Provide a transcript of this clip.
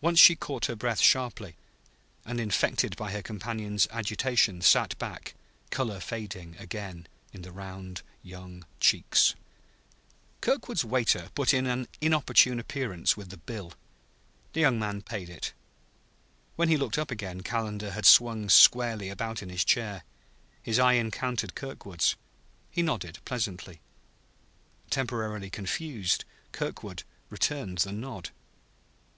Once she caught her breath sharply, and, infected by her companion's agitation, sat back, color fading again in the round young cheeks. Kirkwood's waiter put in an inopportune appearance with the bill. The young man paid it. When he looked up again Calendar had swung squarely about in his chair. His eye encountered Kirkwood's. He nodded pleasantly. Temporarily confused, Kirkwood returned the nod.